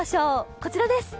こちらです。